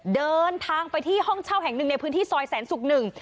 เดินทางไปที่ห้องเช่าแห่งหนึ่งในพื้นที่ซอยแสนศุกร์หนึ่ง